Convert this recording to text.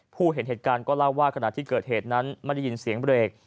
เห็นเหตุการณ์ก็เล่าว่าขณะที่เกิดเหตุนั้นไม่ได้ยินเสียงเบรก